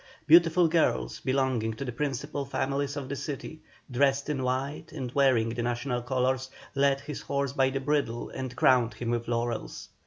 Beautiful girls, belonging to the principal families of the city, dressed in white and wearing the national colours, led his horse by the bridle and crowned him with laurels.